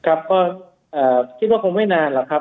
ก็คิดว่าคงไม่นานหรอกครับ